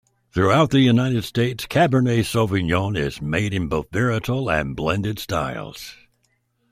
Throughout the United States, Cabernet Sauvignon is made in both varietal and blended styles.